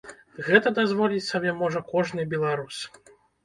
Гэта дазволіць сабе можа кожны беларус.